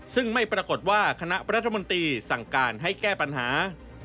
ซึ่งไม่ปรากฏว่าคณะรัฐมนตรีสั่งการให้แก้ปัญหา